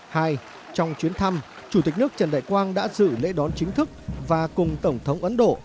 hai trong chuyến thăm chủ tịch nước trần đại quang đã dự lễ đón chính thức và cùng tổng thống ấn độ